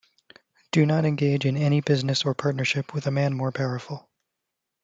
Do not engage in any business or partnership with a man more powerful!